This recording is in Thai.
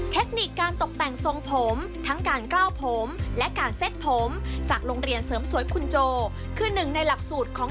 เทคนิคการตกแต่งทรงผมทั้งการกล้าวผมและการเส้นผมจากโรงเรียนเสริมสวยคุณโจคือหนึ่งในหลักสูตรของ